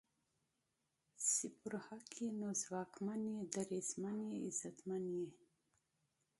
چې په حق ئې نو ځواکمن یې، دریځمن یې، عزتمن یې